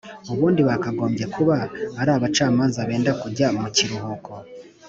Ubundi bakagombye kuba ari abacamanza benda kujya mu kiruhuko